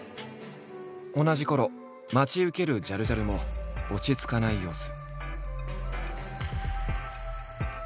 同じころ待ち受けるジャルジャルも落ち着かない様子。